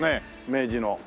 明治の。